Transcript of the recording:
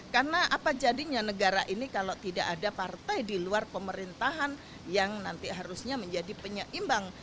karena apa jadinya negara ini kalau tidak ada partai di luar pemerintahan yang nanti harusnya menjadi penyeimbang